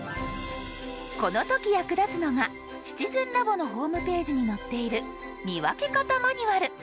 この時役立つのが「シチズンラボ」のホームページに載っている「見分け方マニュアル」。